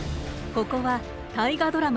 ここは大河ドラマ